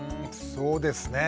そうですね。